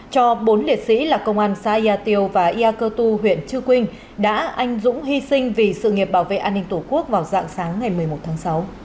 cho bốn liệt sĩ là công an xã yà tiêu và ia cơ tu huyện chư quynh đã anh dũng hy sinh vì sự nghiệp bảo vệ an ninh tổ quốc vào dạng sáng ngày một mươi một tháng sáu